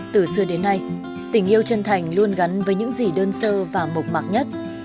từ xưa đến nay tình yêu chân thành luôn gắn với những gì đơn sơ và mộc mạc nhất